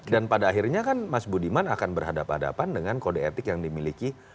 pada akhirnya kan mas budiman akan berhadapan hadapan dengan kode etik yang dimiliki